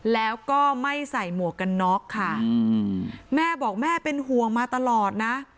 แล้วก็ไม่ใส่หมวกกันน็อกค่ะแม่บอกแม่เป็นห่วงมาตลอดนะ